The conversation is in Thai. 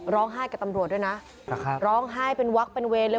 ให้กับตำรวจด้วยนะร้องไห้เป็นวักเป็นเวรเลย